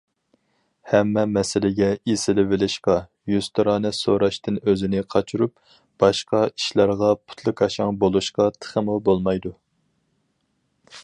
ھەممىلا مەسىلىگە ئېسىلىۋېلىشقا، يۈزتۇرا سوراشتىن ئۆزىنى قاچۇرۇپ، باشقا ئىشلارغا پۇتلىكاشاڭ بولۇشقا تېخىمۇ بولمايدۇ.